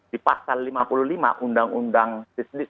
di pasal lima puluh lima undang undang sisdik